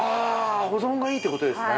あ保存がいいってことですね。